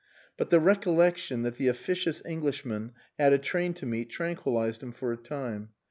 But the recollection that the officious Englishman had a train to meet tranquillized him for a time.